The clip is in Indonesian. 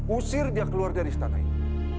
usir dia keluar dari istana ini